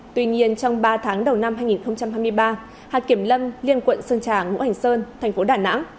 tuy nhiên trong ba tháng đầu năm hai nghìn hai mươi ba hạ kiểm lâm liên quận sơn tràng hữu hành sơn thành phố đà nẵng